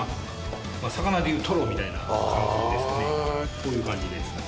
こういう感じですかね。